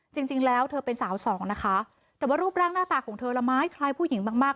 จริงแล้วเธอเป็นสาวสองนะคะแต่ว่ารูปร่างหน้าตาของเธอละไม้คล้ายผู้หญิงมากมาก